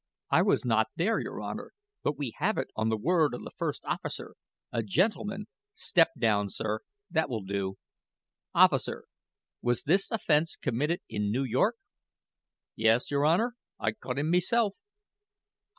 "I was not there, your Honor; but we have it on the word of the first officer, a gentleman " "Step down, sir. That will do. Officer, was this offense committed in New York?" "Yes, your Honor; I caught him meself."